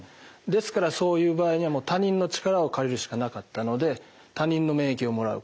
ですからそういう場合には他人の力を借りるしかなかったので他人の免疫をもらう。